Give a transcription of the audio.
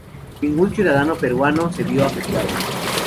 Ningún ciudadano peruano se vio afectado.